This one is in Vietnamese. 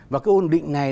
và cái ổn định này